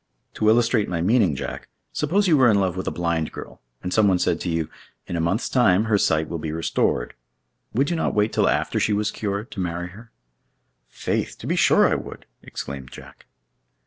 To illustrate my meaning, Jack, suppose you were in love with a blind girl, and someone said to you, 'In a month's time her sight will be restored,' would you not wait till after she was cured, to marry her?" "Faith, to be sure I would!" exclaimed Jack.